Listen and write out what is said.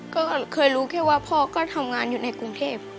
ก็เคยรู้แค่ว่าพ่อก็ทำงานอยู่ในกรุงเทพ